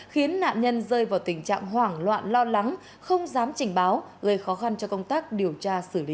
khiến nạn nhân rơi vào tình trạng hoảng loạn lo lắng không dám trình báo gây khó khăn cho công tác điều tra xử lý